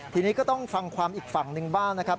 ทีนี้ก็ต้องฟังความอีกฝั่งหนึ่งบ้างนะครับ